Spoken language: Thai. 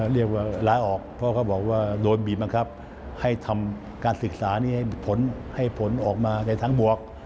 เรียกว่าล้าออกเพราะเขาบอกว่าโดนบีบบังคับให้ทำการศึกษานี้ให้ผลออกมาในทางบวก